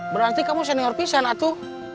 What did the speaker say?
berarti kamu senior pisah natu